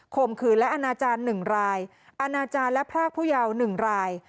มขืนและอนาจารย์๑รายอาณาจารย์และพรากผู้ยาว๑ราย